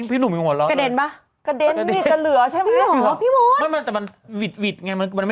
ถีบนี่นะคะ